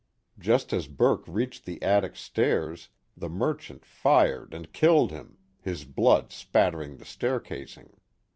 Just as Burke reached the attic stairs the merchant fired and killed him, his blood spattering the stair casing.